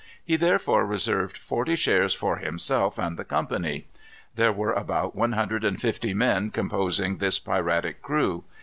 He therefore reserved forty shares for himself and the company. There were about one hundred and fifty men composing this piratic crew.